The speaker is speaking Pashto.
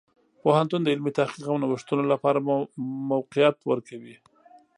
پوهنتون د علمي تحقیق او نوښتونو لپاره موقعیت ورکوي.